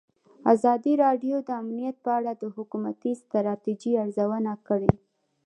ازادي راډیو د امنیت په اړه د حکومتي ستراتیژۍ ارزونه کړې.